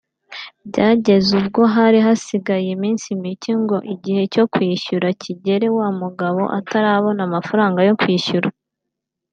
Byageze ubwo hari hasigaye iminsi micye ngo igihe cyo kwishyura kigere wa mugabo atarabona amafaranga yo kwishyura